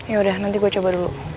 yaudah nanti gue coba dulu